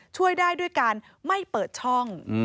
ช่วยได้ด้วยการไม่เปิดช่อง